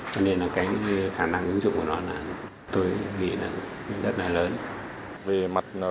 cho nên là cái khả năng ứng dụng của nó là tôi nghĩ là rất là lớn